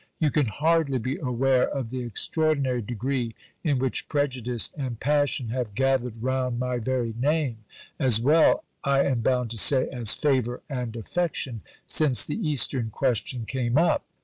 You can hardly be aware of the extraordinary degree in which prejudice and passion have gathered round my very name (as well, I am bound to say, as favour and affection) since the Eastern Question came up.